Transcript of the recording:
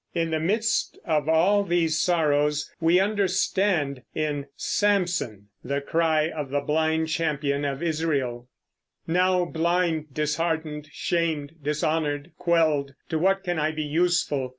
In the midst of all these sorrows we understand, in Samson, the cry of the blind champion of Israel: Now blind, disheartened, shamed, dishonored, quelled, To what can I be useful?